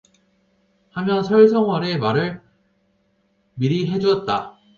하며 설성월의 말을 미리 해 주었다.